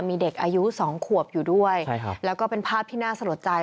มีเด็กอายุ๒ขวบอยู่ด้วยแล้วก็เป็นภาพที่น่าสะดวกใจ